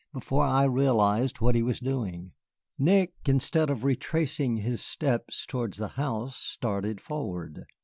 Before I realized what he was doing, Nick, instead of retracing his steps towards the house, started forward.